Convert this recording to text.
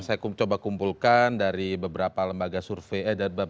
saya coba kumpulkan dari beberapa lembaga survei